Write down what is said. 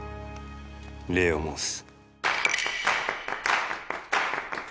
礼を申す。